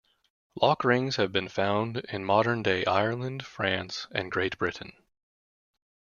Lock rings have been found in modern-day Ireland, France, and Great Britain.